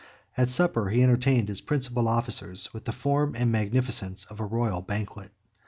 At supper he entertained his principal officers with the form and magnificence of a royal banquet.